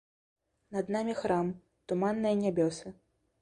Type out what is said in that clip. Над намі храм, туманныя нябёсы.